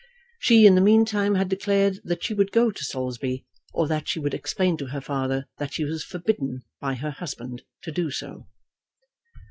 She in the meantime had declared that she would go to Saulsby, or that she would explain to her father that she was forbidden by her husband to do so.